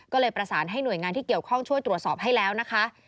ก็เลยประสานให้หน่วยงานที่เกี่ยวข้องช่วยตรวจสอบให้แล้วนะคะ